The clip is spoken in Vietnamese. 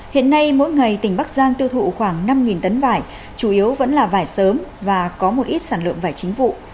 hiện nay mỗi ngày tỉnh bắc giang tiêu thụ khoảng năm tấn vải chủ yếu vẫn là vải sớm và có một ít sản lượng vải chính vụ